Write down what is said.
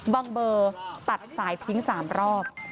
เบอร์ตัดสายทิ้ง๓รอบ